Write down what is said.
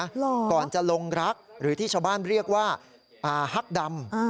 หรอก่อนจะลงรักหรือที่ชาวบ้านเรียกว่าอ่าฮักดำ